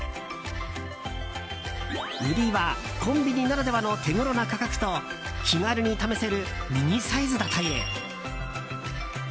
売りは、コンビニならではの手ごろな価格と気軽に試せるミニサイズだという。